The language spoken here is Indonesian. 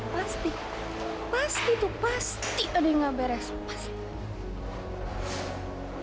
pasti pasti itu pasti ada yang gak beres pasti